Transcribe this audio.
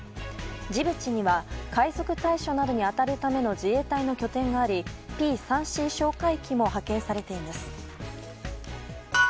ジブチには海賊対処に当たる自衛隊の拠点がありＰ３Ｃ哨戒機も派遣されています。